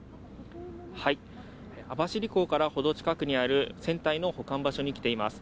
網走港からほど近くにある船体の保管場所に来ています。